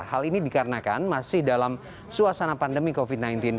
hal ini dikarenakan masih dalam suasana pandemi covid sembilan belas